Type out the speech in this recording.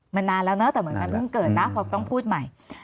มันนานแล้วเนอะแต่เหมือนมันเพิ่งเกิดนะเพราะต้องพูดใหม่